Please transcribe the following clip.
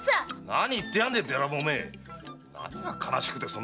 何を言ってやがんでぇべらぼうめ何が悲しくてそんな真似。